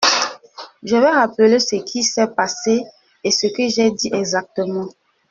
Je vais rappeler ce qui s’est passé et ce que j’ai dit exactement.